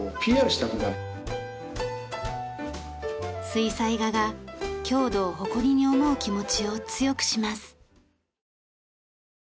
水彩画が郷土を誇りに思う気持ちを強くします。